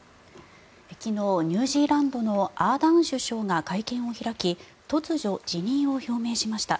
昨日、ニュージーランドのアーダーン首相が会見を開き突如、辞任を表明しました。